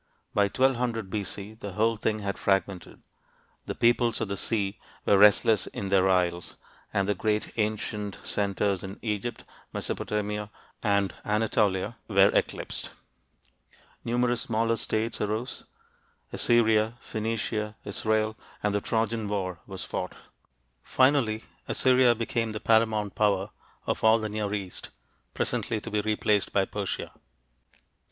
By 1200 B.C., the whole thing had fragmented: "the peoples of the sea were restless in their isles," and the great ancient centers in Egypt, Mesopotamia, and Anatolia were eclipsed. Numerous smaller states arose Assyria, Phoenicia, Israel and the Trojan war was fought. Finally Assyria became the paramount power of all the Near East, presently to be replaced by Persia.